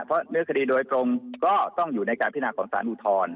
ตัวเนื้อคดีโดยตรงก็ต้องอยู่ในการพินาค์ของศาลอุทร